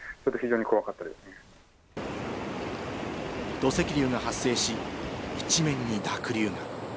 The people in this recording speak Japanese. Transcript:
土石流が発生し、一面に濁流が。